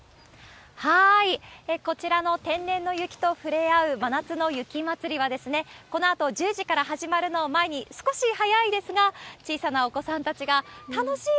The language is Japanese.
こちらの天然の雪とふれあう真夏の雪まつりは、このあと１０時から始まるのを前に、少し早いですが、小さなお子さんたちが、楽しい！